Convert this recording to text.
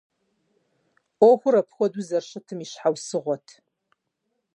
Ӏуэхур апхуэдэу зэрыщытым и щхьэусыгъуэт.